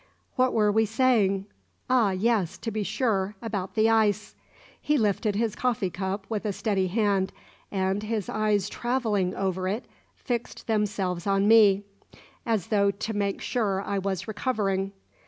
"What were we saying? Ah, yes to be sure about the ice." He lifted his coffee cup with a steady hand, and, his eyes travelling over it, fixed themselves on me, as though to make sure I was recovering.